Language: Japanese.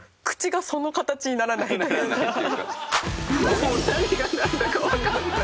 もう何がなんだかわかんない。